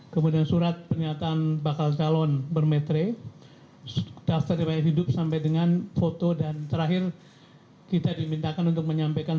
kemudian surat penyampaian